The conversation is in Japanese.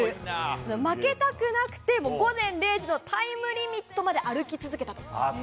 負けたくなくて午前０時のタイムリミットまで歩き続けたということで。